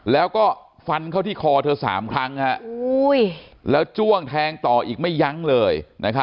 แล้วก็ฟันเข้าที่คอเธอ๓ครั้งแล้วจ้วงแทงต่ออีกไม่ยั้งเลย